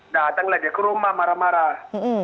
datang lagi ke rumah marah marah